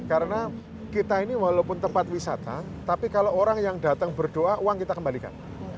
karena kita ini walaupun tempat wisata tapi kalau orang yang datang berdoa uang kita kembalikan